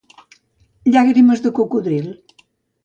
Llàgrimes de cocodril.